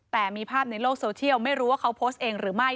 แต่มีภาพในโลกโซเชียลไม่รู้ว่าเขาโพสต์เองหรือไม่